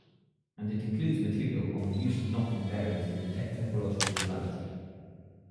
And it includes material on the use of knot invariants to detect topological chirality.